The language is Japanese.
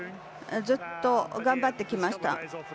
ずっと頑張ってきました。